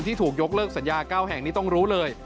ที่ถูกยกเลิกสัญญา๙แห่งนี้ต้องรู้เลย